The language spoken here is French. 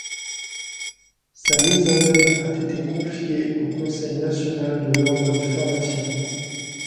Sa mise en œuvre a été confiée au Conseil national de l'Ordre des pharmaciens.